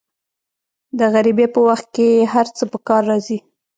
د غریبۍ په وخت کې هر څه په کار راځي.